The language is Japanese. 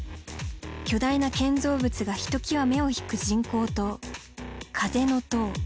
巨大な建造物がひときわ目を引く人工島風の塔。